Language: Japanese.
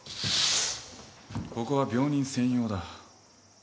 ここは病人専用だ。